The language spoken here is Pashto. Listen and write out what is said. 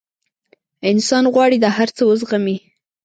انسان غواړي دا هر څه وزغمي.